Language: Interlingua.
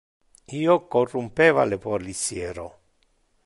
Io corrumpeva le policiero.